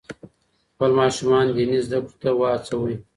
خپل ماشومان دیني زده کړو ته وهڅوئ.